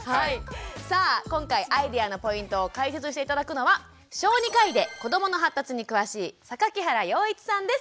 さあ今回アイデアのポイントを解説して頂くのは小児科医で子どもの発達に詳しい榊原洋一さんです。